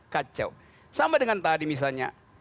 kacau sama dengan tadi misalnya